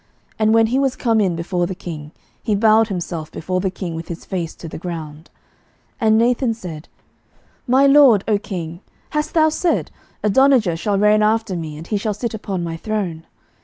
And when he was come in before the king, he bowed himself before the king with his face to the ground. 11:001:024 And Nathan said, My lord, O king, hast thou said, Adonijah shall reign after me, and he shall sit upon my throne?